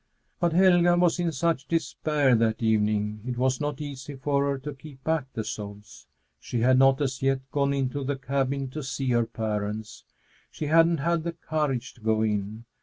But Helga was in such despair that evening it was not easy for her to keep back the sobs. She had not as yet gone into the cabin to see her parents. She hadn't had the courage to go in.